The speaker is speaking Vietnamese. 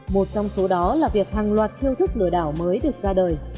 một trong số đó là việc hàng loạt chiêu thức lừa đảo mới được ra đời